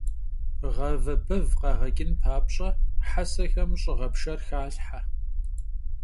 Ğave bev khağeç'ın papş'e, hesexem ş'ığepşşer xalhhe.